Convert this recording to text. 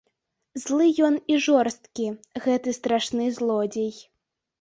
Злы ён і жорсткі, гэты страшны злодзей.